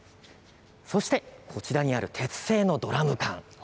そして、こちらにある鉄製のドラム缶。